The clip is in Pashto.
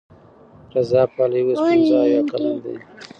رضا پهلوي اوس پنځه اویا کلن دی.